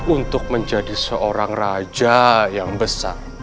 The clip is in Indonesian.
untuk menjadi seorang raja yang besar